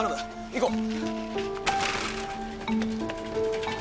行こう。